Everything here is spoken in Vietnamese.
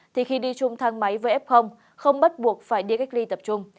thì khi đi chung thang máy với f không bắt buộc phải đi cách ly tập trung